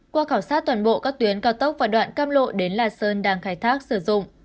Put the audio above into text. qua khảo sát toàn bộ các tuyến cao tốc và đoạn cam lộ đến lạt sơn đang khai thác sử dụng